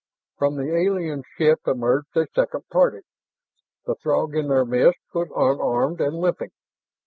From the alien ship emerged a second party. The Throg in their midst was unarmed and limping.